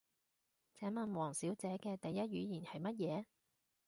請問王小姐嘅第一語言係乜嘢？